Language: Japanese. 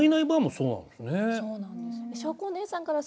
そうなんです。